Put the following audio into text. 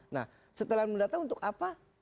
nah setelah mendata untuk apa